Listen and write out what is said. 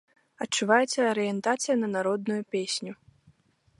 Адчуваецца арыентацыя на народную песню.